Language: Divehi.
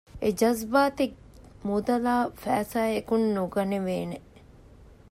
އެޖަޒްބާތެއް މުދަލާއި ފައިސާއަކުން ނުގަނެވޭނެ